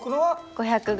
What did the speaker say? ５００ｇ。